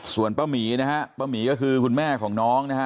ส่วนป้าหมีนะฮะป้าหมีก็คือคุณแม่ของน้องนะฮะ